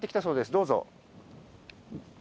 どうぞ。